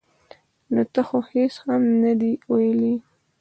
ـ نو تا خو هېڅ هم نه دي ویلي.